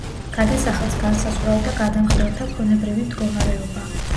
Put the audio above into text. გადასახადს განსაზღვრავდა გადამხდელთა ქონებრივი მდგომარეობა.